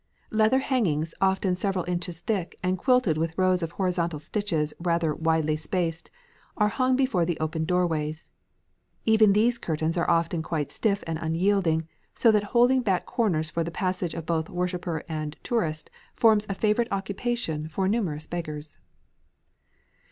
Leather hangings often several inches thick and quilted with rows of horizontal stitches rather widely spaced, are hung before the open doorways. Even these curtains are often quite stiff and unyielding, so that holding back corners for the passage of both worshipper and tourist forms a favourite occupation for numerous beggars.